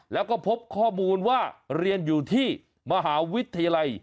แล้วก็พบข้อมูลว่าเรียนอยู่ที่มหาวิทยาลัย